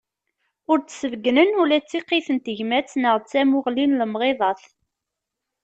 Ur d-sbeggnen ula d tiqqit n tegmat neɣ d tamuɣli n lemɣiḍat.